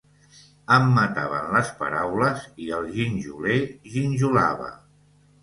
Em mataven les paraules i el ginjoler ginjolava.